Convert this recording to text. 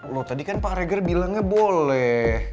loh tadi kan pak reger bilangnya boleh